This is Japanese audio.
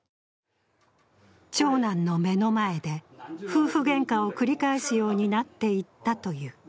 長男の目の前で、夫婦げんかを繰り返すようになっていったという。